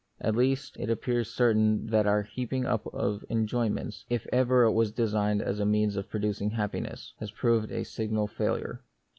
At least, it appears certain that the heaping up of enjoy ments, if ever it was designed as a means of producing happiness, has proved a signal fail ure.